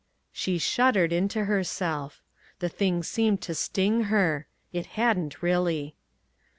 She shuddered into herself. The thing seemed to sting her (it hadn't really).